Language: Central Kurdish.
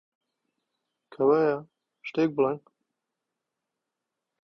کەوایە، شتێک بڵێن!